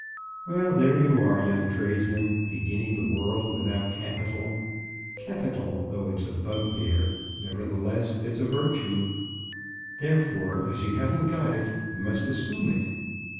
Well, there you are; a young tradesman beginning the world without capital. Capital, though it's a bugbear, nevertheless it's a virtue. Therefore, as you haven't got it, you must assume it.